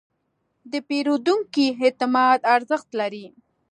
د پیرودونکي اعتماد ارزښت لري.